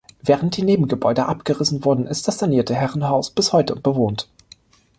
Während die Nebengebäude abgerissen wurde, ist das sanierte Herrenhaus bis heute bewohnt.